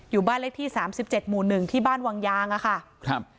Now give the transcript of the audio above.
อยู่บ้านเลขที่สามสิบเจ็ดหมู่หนึ่งที่บ้านวังยางอะค่ะครับ